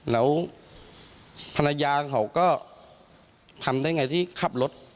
แล้วภรรยาเขาก็ทำได้ไงที่ขับรถ